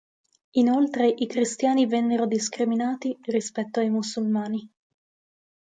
Inoltre i cristiani vennero discriminati rispetto ai musulmani.